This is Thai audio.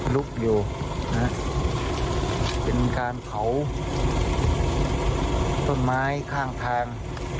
ลุกอยู่นะฮะเป็นการเผาต้นไม้ข้างทาง